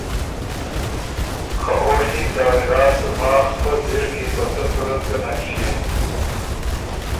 خه او ڒیم دعوېدار سو ماخ پۀ ځِر کی په څۀ صورت ګۀ نک ژيېن۔